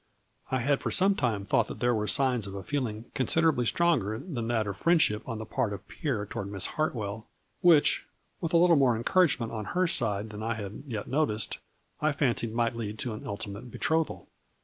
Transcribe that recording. I had for some time thought that there were signs of a feeling con siderably stronger than that of friendship on the part of Pierre toward Miss Hartwell, which, with a little more encouragement on her side than I had yet noticed, I fancied might lead to an ultimate betrothal.